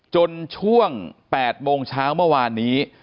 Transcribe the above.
ช่วง๘โมงเช้าเมื่อวานนี้